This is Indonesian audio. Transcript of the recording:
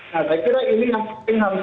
nah saya kira ini yang harus diawasi